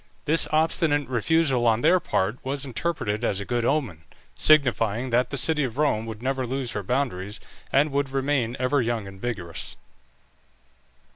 This obstinate refusal on their part was interpreted as a good omen, signifying that the city of Rome would never lose her boundaries, and would remain ever young and vigorous.